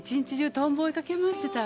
トンボ追いかけ回してたわ。